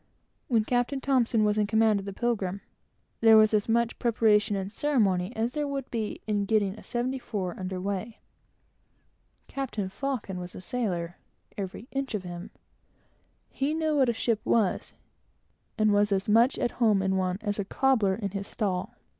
When Captain T was in command of the Pilgrim, there was as much preparation and ceremony as there would be in getting a seventy four under weigh. Captain Faucon was a sailor, every inch of him; he knew what a ship was, and was as much at home in one, as a cobbler in his stall.